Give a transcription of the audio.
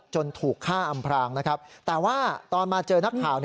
ถูกฆ่าอำพรางนะครับแต่ว่าตอนมาเจอนักข่าว